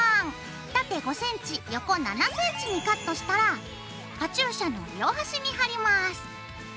縦５ｃｍ横７ｃｍにカットしたらカチューシャの両端に貼ります。